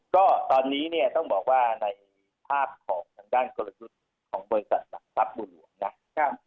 ก็ตอนนี้เนี่ยต้องบอกว่าในภาพของดังกรดรุษของบริษัทสรรพบุรุษนะครับ